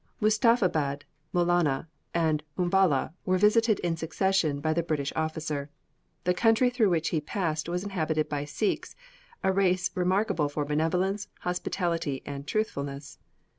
Mustafabad, Mulana, and Umballa were visited in succession by the British officer. The country through which he passed was inhabited by Sikhs, a race remarkable for benevolence, hospitality, and truthfulness.